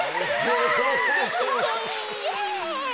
イエイ！